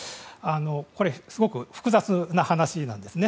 すごく複雑な話なんですね。